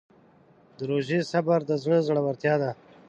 د روژې صبر د زړه زړورتیا ده.